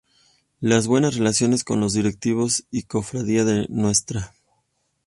La buenas relaciones con los directivos y Cofradía de Ntra.